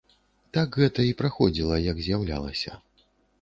Так гэта і праходзіла, як з'яўлялася.